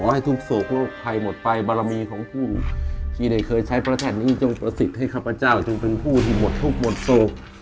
ให้ทุกโศกโลกภัยหมดไปบารมีของผู้ที่ได้เคยใช้พระธาตุนี้จงประสิทธิ์ให้ข้าพเจ้าจงเป็นผู้ที่หมดทุกข์หมดโศก